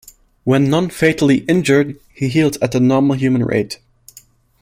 When non-fatally injured, he heals at a normal human rate.